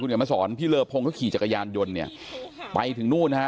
คุณกำมาสอนพี่เรือพงศ์เขาขี่จักรยานยนต์เนี่ยไปถึงนู่นฮะ